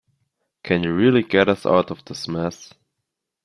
Can you really get us out of this mess?